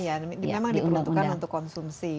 memang diperbentukan untuk konsumsi